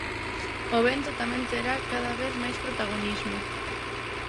O vento tamén terá cada vez máis protagonismo.